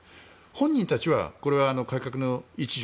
本人たちは、これは改革の一助